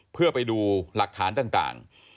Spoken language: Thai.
เพื่อไปดูหลักฐานต่าง